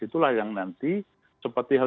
itulah yang nanti seperti